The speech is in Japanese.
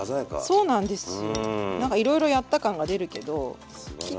そうなんですよ。